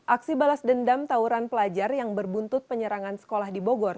aksi balas dendam tawuran pelajar yang berbuntut penyerangan sekolah di bogor